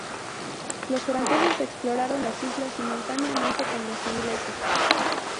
Los franceses exploraron las islas simultáneamente con los ingleses.